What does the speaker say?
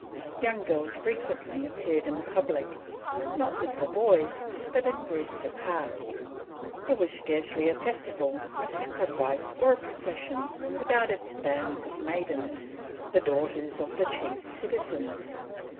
Young girls frequently appeared in public, not with the boys, but in groups apart. There was scarcely a festival, a sacrifice, or a procession without its bands of maidens, the daughters of the chief citizens.